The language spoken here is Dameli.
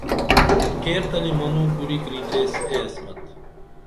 کیرتلی منوں کُرِی کریچیس اے عصمت